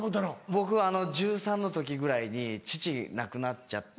僕１３歳の時ぐらいに父亡くなっちゃって。